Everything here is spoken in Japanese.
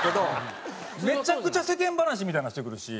めちゃくちゃ世間話みたいなのしてくるし。